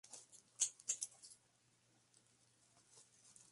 El campus de Seúl se encuentra en el centro de Seúl.